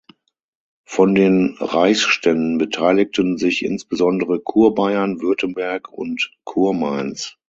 Von den Reichsständen beteiligten sich insbesondere Kurbayern, Württemberg und Kurmainz.